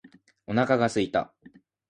お腹が空いた